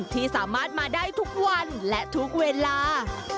ที่สามารถมาได้ทุกวันและทุกเวลา